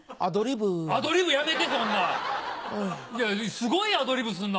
すごいアドリブすんな！